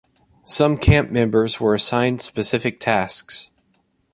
Some camp members were assigned specific tasks.